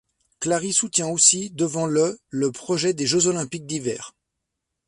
Clary soutient aussi devant le le projet des Jeux olympiques d'hiver.